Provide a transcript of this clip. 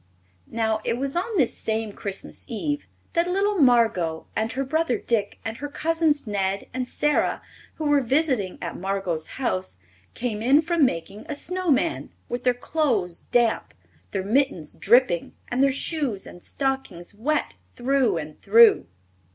Now it was on this same Christmas Eve that little Margot and her brother Dick and her cousins Ned and Sara, who were visiting at Margot's house, came in from making a snow man, with their clothes damp, their mittens dripping and their shoes and stockings wet through and through.